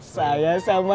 saya sama neng ineke